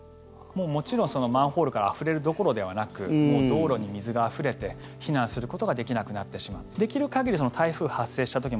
もちろんマンホールからあふれるどころではなくもう道路に水があふれて避難することができなくなってしまう。